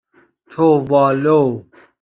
تووالو